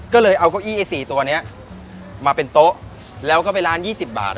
ก็เลยเอาเก้าอี้ไอ้สี่ตัวเนี้ยมาเป็นโต๊ะแล้วก็ไปร้านยี่สิบบาทอ่ะ